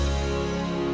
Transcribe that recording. di video selanjutnya